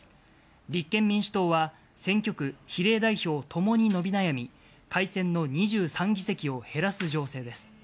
立憲民主党は、選挙区、比例代表ともに伸び悩み、改選の２３議席を減らす情勢です。